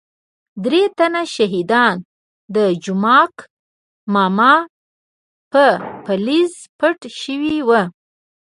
درې تنه شهادیان د جومک ماما په پالیز پټ شوي وو.